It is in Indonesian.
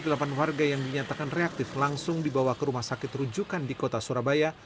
sebanyak satu ratus delapan puluh delapan warga yang dinyatakan reaktif langsung dibawa ke rumah sakit rujukan di kota surabaya